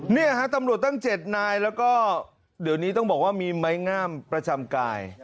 เนี่ยฮะตำรวจตั้ง๗นายแล้วก็เดี๋ยวนี้ต้องบอกว่ามีไม้งามประจำกาย